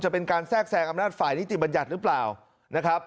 เป็นการแทรกแซงอำนาจฝ่ายนิติบัญญัติหรือเปล่านะครับ